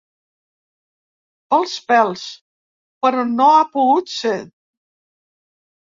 Pel pèls, però no ha pogut ser.